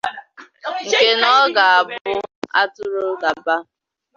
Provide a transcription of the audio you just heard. nke na ọ ga-abụ atụrụ taba